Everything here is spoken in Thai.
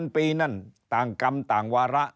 ปีนั่นต่างกรรมต่างวาระ